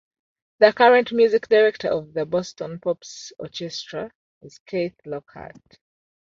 The current Music Director of the Boston Pops Orchestra is Keith Lockhart.